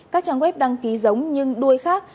các trang web đăng ký giống nhưng đuôi khác